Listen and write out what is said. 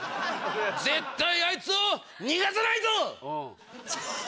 絶対あいつを逃がさないぞ！